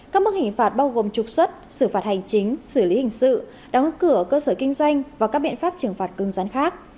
các mức hình phạt bao gồm trục xuất xử phạt hành chính xử lý hình sự đóng cửa cơ sở kinh doanh và các biện pháp trừng phạt cưng rắn khác